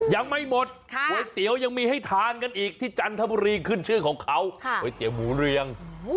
ยังไม่หมดก๋วยเตี๋ยวยังมีให้ทานกันอีกที่จันทบุรีขึ้นชื่อของเขาก๋วยเตี๋ยวหมูเรียง